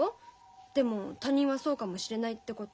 でも他人はそうかもしれないってこと。